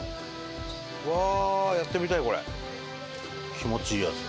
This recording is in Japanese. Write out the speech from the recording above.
気持ちいいやつだ。